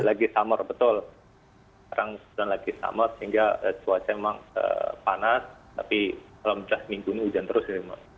pada pagi summer betul sekarang sudah lagi summer sehingga cuaca memang panas tapi selama dua belas minggu ini hujan terus ya mbak